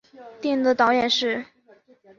电影的导演是。